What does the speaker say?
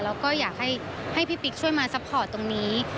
แล้วก็อยากให้พี่ปิ๊กช่วยมาซัพพอร์ตตรงนี้